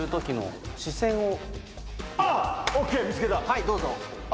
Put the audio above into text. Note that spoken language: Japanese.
はいどうぞ。